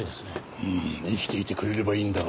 うん生きていてくれればいいんだが。